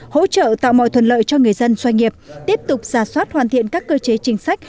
hỗ trợ tạo mọi thuận lợi cho người dân doanh nghiệp tiếp tục giả soát hoàn thiện các cơ chế chính sách